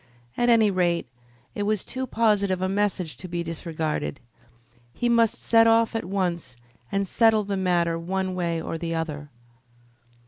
At any rate, it was too positive a message to be disregarded. He must set off at once and settle the matter one way or the other.